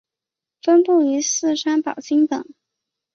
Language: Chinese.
分布于四川宝兴等。